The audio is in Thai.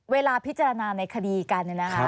เวลาพิจารณาในคดีกัน